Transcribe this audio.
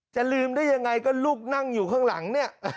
จะลืมได้ยังไงก็ลูกนั่งอยู่ข้างหลังเนี่ย